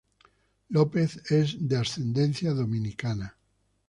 Lopez es de ascendencia dominicana.